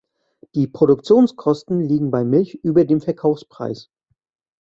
Die Produktionskosten liegen bei Milch über dem Verkaufspreis.